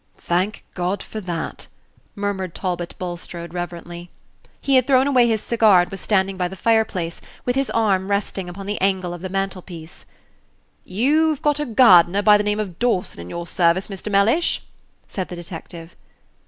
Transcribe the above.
"Thank God for that!" murmured Talbot Bulstrode, reverently. He had thrown away his cigar, and was standing by the fireplace, with his arm resting upon the angle of the mantle piece. "You've got a gardener by the name of Dawson in your service, Mr. Mellish?" said the detective.